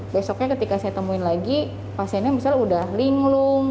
besoknya ketika saya temuin lagi pasiennya misalnya udah linglung